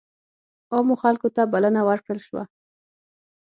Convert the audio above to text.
عامو خلکو ته بلنه ورکړل شوه.